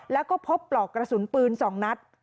แล้วก็พบปลอกกระสุนปืน๒นัด